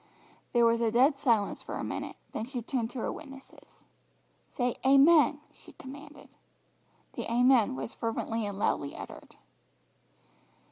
There was a dead silence for a minute, then she turned to her witnesses. "Say 'Amen,'" she commanded. The "Amen" was fervently and loudly uttered.